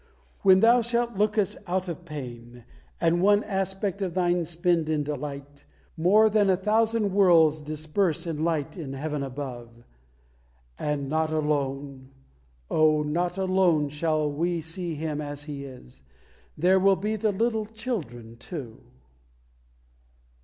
When Thou shalt look us out of pain, And one aspect of Thine spend in delight, More than a thousand worlds' disburse in light In heaven above! And not alone, oh, not alone, shall we see Him as He is! There will be the little children too.